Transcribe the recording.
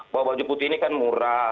bawa baju putih ini kan murah